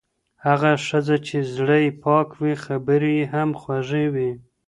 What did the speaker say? هغه ښځه چې زړه يې پاک وي، خبرې يې هم خوږې وي.